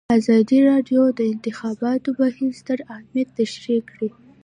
ازادي راډیو د د انتخاباتو بهیر ستر اهميت تشریح کړی.